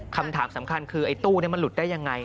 คำถามสำคัญคือไอ้ตู้นี้มันหลุดได้ยังไง